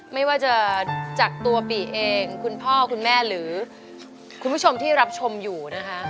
ไม่ว่าจะจากตัวปีเองคุณพ่อคุณแม่หรือคุณผู้ชมที่รับชมอยู่นะคะ